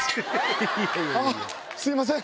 あっすいません。